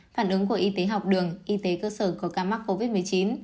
phản ứng của y tế học đường y tế cơ sở có ca mắc covid một mươi chín